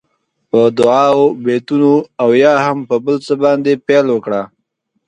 په دعاوو، بېتونو او یا هم په بل څه باندې پیل وکړه.